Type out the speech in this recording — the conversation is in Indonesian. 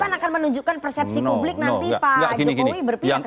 tapi kan akan menunjukkan persepsi publik nanti pak jokowi berpihak